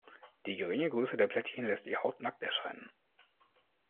Die geringe Größe der Plättchen lässt die Haut nackt erscheinen.